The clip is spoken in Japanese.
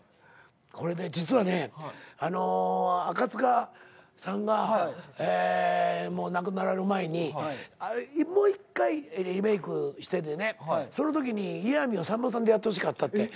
実はね赤塚さんが亡くなられる前にもう１回リメークしててねそのときにイヤミをさんまさんでやってほしかったって。